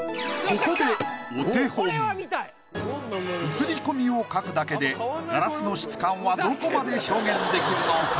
映り込みを描くだけでガラスの質感はどこまで表現できるのか？